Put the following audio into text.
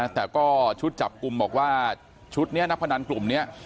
แต่ก็ชุดจับกลุ่มบอกว่าชุดนี้นักพนันกลุ่มนี้